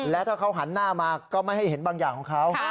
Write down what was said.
และถ้าเขาหันหน้ามาก็ไม่ให้เห็นบางอย่างของเขา